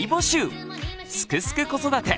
「すくすく子育て」